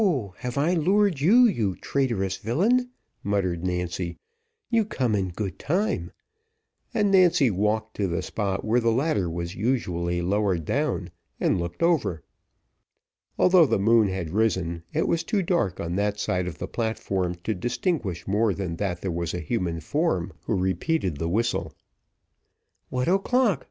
have I lured you, you traitorous villain?" muttered Nancy, "you come in good time:" and Nancy walked to the spot where the ladder was usually lowered down, and looked over. Although the moon had risen, it was too dark on that side of the platform to distinguish more than that there was a human form, who repeated the whistle. "What's o'clock?"